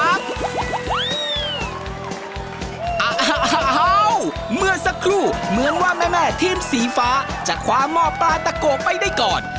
เมื่อสักครู่เหมือนว่าแม่ทีมสีฟ้าจะคว้าหม้อปลาตะโกะไปได้ก่อน